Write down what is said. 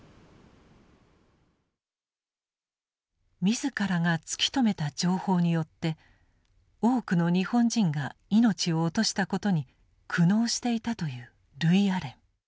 自らが突き止めた情報によって多くの日本人が命を落としたことに苦悩していたというルイアレン。